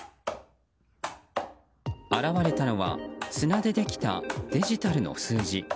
現れたのは砂でできたデジタルの数字。